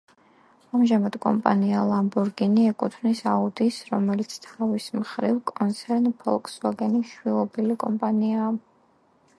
ამჟამად კომპანია „ლამბორგინი“ ეკუთვნის „აუდის“, რომელიც, თავის მხრივ, კონცერნ „ფოლკსვაგენის“ შვილობილი კომპანიაა.